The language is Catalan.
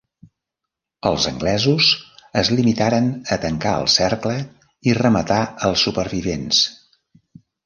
Els anglesos es limitaren a tancar el cercle i rematar els supervivents.